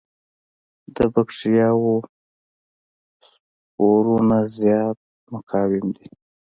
د بکټریاوو سپورونه زیات مقاوم دي.